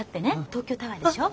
東京タワーでしょ。